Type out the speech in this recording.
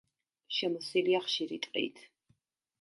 შემოსილია ხშირი ტყით.